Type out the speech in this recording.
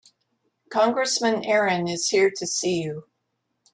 Congressman Aaron is here to see you.